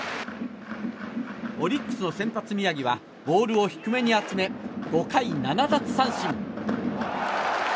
オリックスの先発、宮城はボールを低めに集め５回７奪三振。